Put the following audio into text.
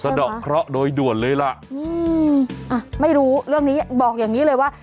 ดอกเคราะห์โดยด่วนเลยล่ะอืมอ่ะไม่รู้เรื่องนี้บอกอย่างงี้เลยว่า